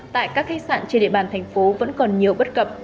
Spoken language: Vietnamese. tại các khách sạn trên địa bàn thành phố vẫn còn nhiều bất cập